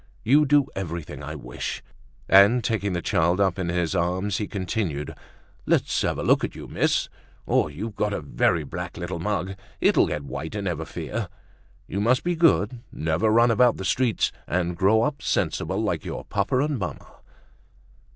You do everything I wish!" And, taking the child up in his arms, he continued: "Let's have a look at you, miss! You've got a very black little mug. It'll get whiter, never fear. You must be good, never run about the streets, and grow up sensible like your papa and mamma."